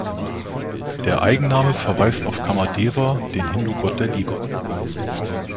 Der Eigenname verweist auf Kamadeva, den Hindu-Gott der Liebe.